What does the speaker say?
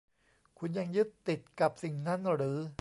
คุณยังยึดติดกับสิ่งนั้นหรือ